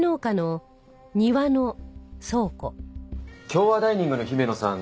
京和ダイニングの姫野さん